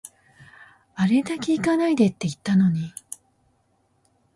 あれだけ行かないでって言ったのに